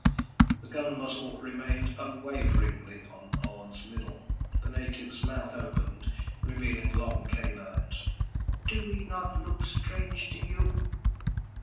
The gun muzzle remained unwaveringly on Orne's middle. The native's mouth opened, revealing long canines. "Do we not look strange to you?"